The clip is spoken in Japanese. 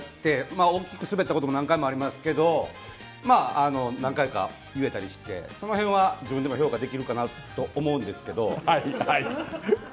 大きくスベったことも何回もありますけど何回か言えたりして、その辺は自分でも評価できるかなと思うんですけど。